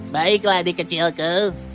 baiklah adik kecilku